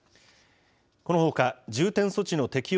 このほか重点措置の適用